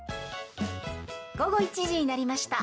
午後１時になりました。